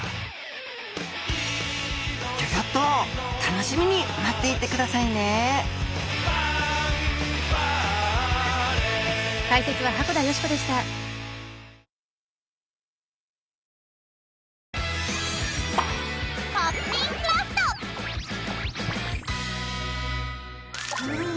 ギョギョッと楽しみに待っていてくださいねうん。